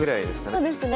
そうですね。